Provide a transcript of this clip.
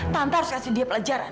tante harus kasih dia pelajaran